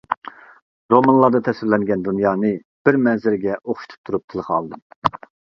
رومانلاردا تەسۋىرلەنگەن دۇنيانى بىر مەنزىرىگە ئوخشىتىپ تۇرۇپ تىلغا ئالدىم.